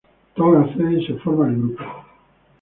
Tom accede, y se forma el grupo.